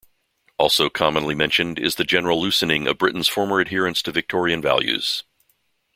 Also commonly mentioned is the general loosening of Britain's former adherence to Victorian values.